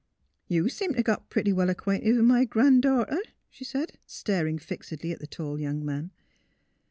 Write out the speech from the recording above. '' You seem t' 'a' got pretty well acquainted with my gran ' darter? " she said, staring fixedly at the tall young man.